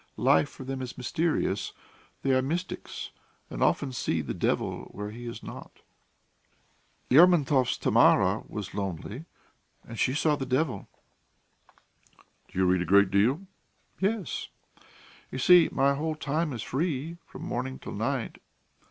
Life for them is mysterious; they are mystics and often see the devil where he is not. Lermontov's Tamara was lonely and she saw the devil." "Do you read a great deal?" "Yes. You see, my whole time is free from morning till night.